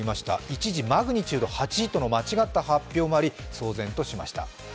一時マグニチュード８との間違った発表もあり、騒然となりました。